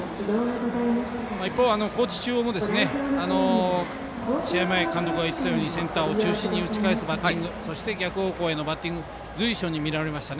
一方、高知中央も試合前、監督が言っていたようにセンターを中心に打ち返すバッティングそして逆方向のバッティング随所に見られました。